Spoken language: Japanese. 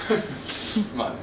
まあね